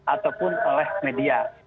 ataupun oleh media